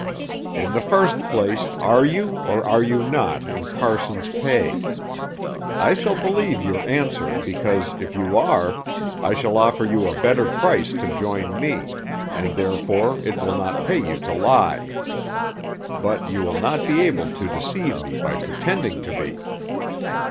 "In the first place, are you, or are you not, in Carson's pay? I shall believe your answer because, if you are, I shall offer you a better price to join me, and therefore it will not pay you to lie. But you will not be able to deceive me by pretending to be."